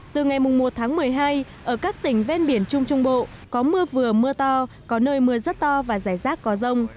từ ngày một tháng một mươi hai ở các tỉnh ven biển trung trung bộ có mưa vừa mưa to có nơi mưa rất to và rải rác có rông